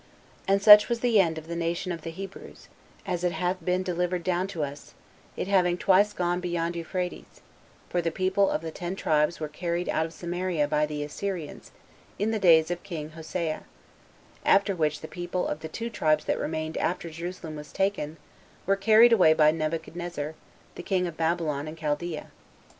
And such was the end of the nation of the Hebrews, as it hath been delivered down to us, it having twice gone beyond Euphrates; for the people of the ten tribes were carried out of Samaria by the Assyrians, in the days of king Hoshea; after which the people of the two tribes that remained after Jerusalem was taken [were carried away] by Nebuchadnezzar, the king of Babylon and Chaldea.